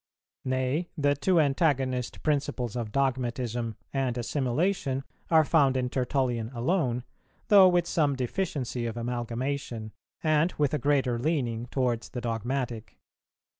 Nay, the two antagonist principles of dogmatism and assimilation are found in Tertullian alone, though with some deficiency of amalgamation, and with a greater leaning towards the dogmatic.